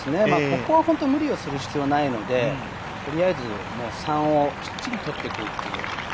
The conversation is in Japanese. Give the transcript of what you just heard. ここは本当に無理をする必要はないのでとりあえず３をきっちり取っていくという。